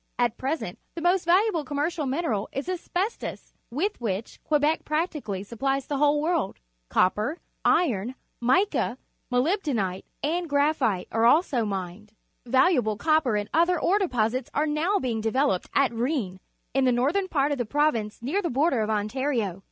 At present the most valuable commer cial mineral is asbestos, wi th which Quebec practically supplies the wJiale__wQxkL Cop per,^ irgn,_ mica,^ molybdenite^ and graphite are also mined. Valuable copper and other ore deposits are now being develope d at Rou vn in the northern par^of the province near the border of Ontario.